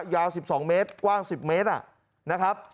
ยาว๑๒เมตรกว้าง๑๐เมตรนะครับ